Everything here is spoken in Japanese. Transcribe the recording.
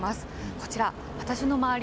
こちら、私の周り